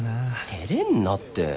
照れんなって。